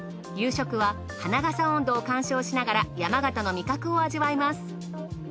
夕食は花笠音頭を観賞しながら山形の味覚を味わいます。